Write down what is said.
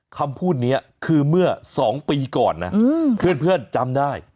คำพูดนี้คือเมื่อ๒ปีก่อนนะเพื่อนจำได้